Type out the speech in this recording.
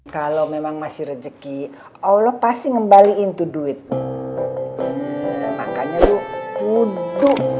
kalau memang masih rezeki allah pasti ngembalikan itu duit makanya dulu